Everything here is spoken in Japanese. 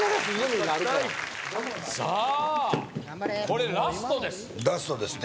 これラストです